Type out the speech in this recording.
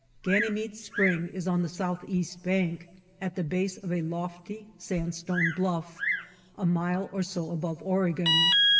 Ganymede Spring is on the southeast bank, at the base of a lofty sandstone bluff, a mile or so above Oregon.